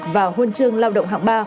và huân chương lao động hạng ba